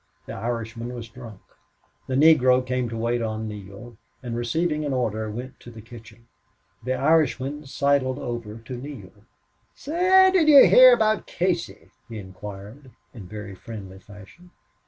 The Irishman was drunk. The Negro came to wait on Neale, and, receiving an order, went to the kitchen. The Irishman sidled over to Neale. "Say, did yez hear about Casey?" he inquired, in very friendly fashion.